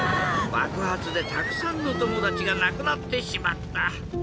ばくはつでたくさんのともだちがなくなってしまった。